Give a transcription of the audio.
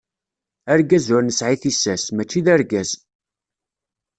Argaz ur nesɛi tissas, mačči d argaz.